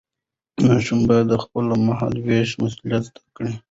ماشوم باید د خپلو مهالوېشونو مسؤلیت زده کړي.